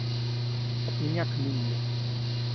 От меня и Минни.